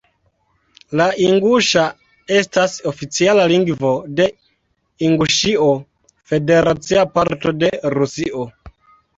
La inguŝa estas oficiala lingvo de Inguŝio, federacia parto de Rusio.